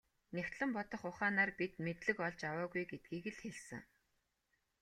Нягтлан бодох ухаанаар бид мэдлэг олж аваагүй гэдгийг л хэлсэн.